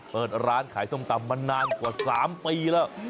เปิดร้านขายส้มตำมานานกว่า๓ปีแล้ว